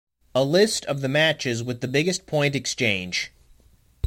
A list of the matches with the biggest point exchange.